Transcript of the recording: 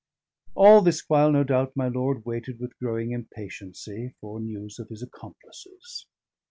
All this while, no doubt, my lord waited with growing impatiency for news of his accomplices.